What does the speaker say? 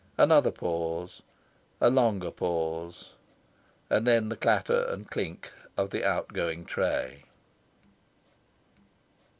Another pause, a longer pause, and then the clatter and clink of the outgoing tray.